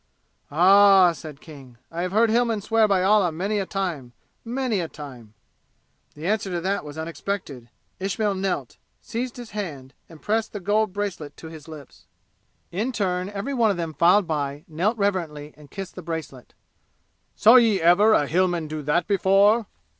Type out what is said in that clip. "Ah h h!" said King. "I have heard Hillmen swear by Allah many a time! Many a time!" The answer to that was unexpected. Ismail knelt seized his hand and pressed the gold bracelet to his lips! In turn, every one of them filed by, knelt reverently and kissed the bracelet! "Saw ye ever a Hillman do that before?"